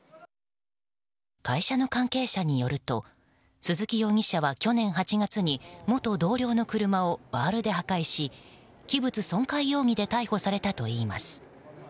会社の関係者によると鈴木容疑者は去年８月に元同僚の車をバールで破壊し器物損壊容疑で逮捕されたといいます。